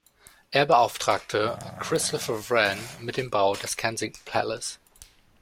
Er beauftragte Christopher Wren mit dem Bau des Kensington Palace.